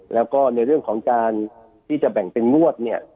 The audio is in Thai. แล้วก็ในเรื่องของการที่จะแบ่งเป็นงวดเนี่ย